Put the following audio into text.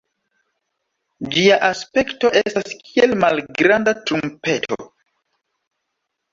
Ĝia aspekto estas kiel malgranda trumpeto.